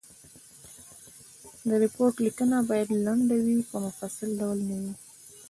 د ریپورټ لیکنه باید لنډ وي په مفصل ډول نه وي.